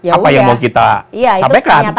apa yang mau kita sampaikan